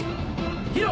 ヒロ！